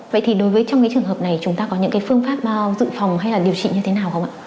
vậy thì đối với trong cái trường hợp này chúng ta có những cái phương pháp dự phòng hay là điều trị như thế nào không ạ